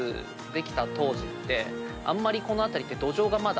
あんまりこの辺りって。